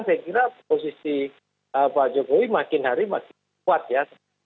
saya kira posisi pak jokowi makin hari makin kuat ya